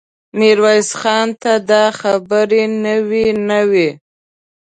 ميرويس خان ته دا خبرې نوې نه وې.